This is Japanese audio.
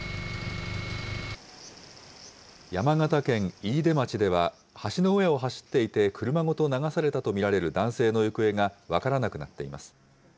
山形県飯豊町では、橋の上を走っていて車ごと流されたと見られる男性の行方が分からなくなっています。